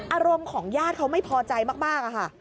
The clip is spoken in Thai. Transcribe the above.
อารมณ์ของญาติเขาไม่พอใจมากค่ะ